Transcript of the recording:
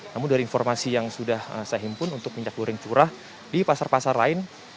namun dari informasi yang sudah saya himpun untuk minyak goreng curah di pasar pasar lain